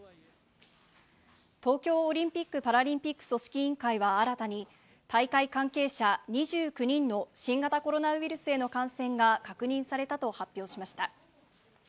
東京オリンピック・パラリンピック組織委員会は、新たに、大会関係者２９人の新型コロナウイルスへの感染が確認されたと発表しました。